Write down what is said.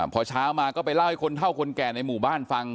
พอเช้ามาก็ไปเล่าให้คนเท่าคนแก่ในหมู่บ้านฟัง